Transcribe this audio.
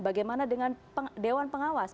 bagaimana dengan dewan pengawas